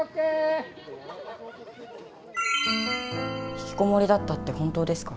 ひきこもりだったって本当ですか？